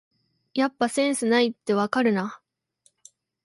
やっぱセンスないってわかるな